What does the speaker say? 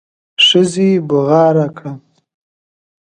ښځې بغاره کړه.